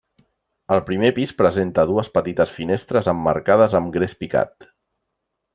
Al primer pis presenta dues petites finestres emmarcades amb gres picat.